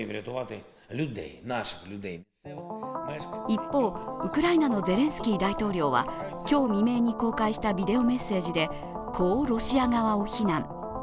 一方、ウクライナのゼレンスキー大統領は今日未明に公開したビデオメッセージで、こうロシア側を非難。